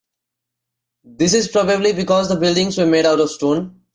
This is probably because the buildings were made out of stone.